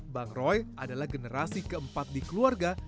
bang roy adalah generasi keempat di keluarga